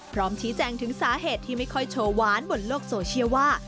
พร้อมชี้แจงถึงสาเหตุที่ไม่ค่อยโชว์หวานบนโลกโซเชียลว่า